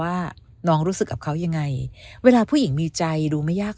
ว่าน้องรู้สึกกับเขายังไงเวลาผู้หญิงมีใจดูไม่ยาก